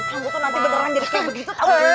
kamu tuh nanti beneran jadi kayak begitu tau